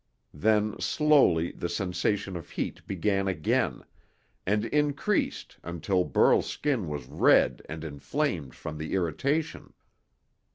Then, slowly, the sensation of heat began again, and increased until Burl's skin was red and inflamed from the irritation.